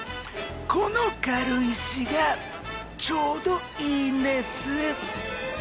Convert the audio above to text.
この軽石がちょうどいいんです。